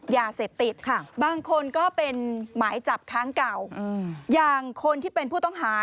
ยาเสพติดค่ะบางคนก็เป็นหมายจับค้างเก่าอย่างคนที่เป็นผู้ต้องหา